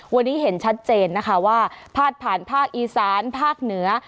วันนี้เห็นชัดเจนนะคะว่าพาดผ่านภาคอีสานภาคเหนือ